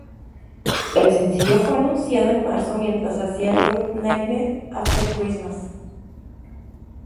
El sencillo fue anunciado en marzo, mientras hacían el tour "Nightmare After Christmas".